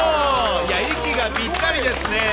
息がぴったりですね。